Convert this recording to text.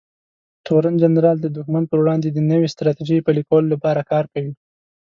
تورن جنرال د دښمن پر وړاندې د نوې ستراتیژۍ پلي کولو لپاره کار کوي.